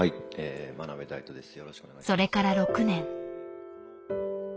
それから６年。